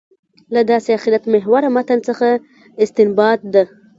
له داسې آخرت محوره متن څخه استنباط ده.